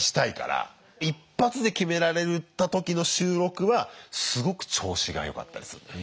一発で決められた時の収録はすごく調子がよかったりすんのよ。